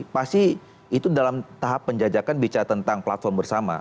pasti itu dalam tahap penjajakan bicara tentang platform bersama